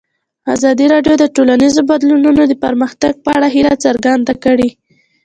ازادي راډیو د ټولنیز بدلون د پرمختګ په اړه هیله څرګنده کړې.